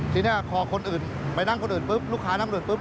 ทีนี้พอคนอื่นไปนั่งคนอื่นปุ๊บลูกค้านั่งอื่นปุ๊